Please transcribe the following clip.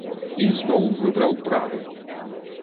І зноў выбраў правы.